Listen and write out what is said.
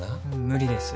無理です。